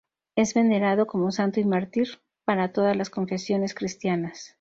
Es venerado como santo y mártir para todas las confesiones cristianas.